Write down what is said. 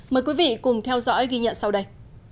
mời quý vị cùng theo dõi ghi nhận sau đây